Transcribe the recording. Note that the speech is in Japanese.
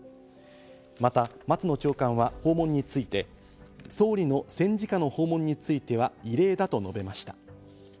また松野長官は訪問について、総理の戦時下の訪問については異例だと述べました。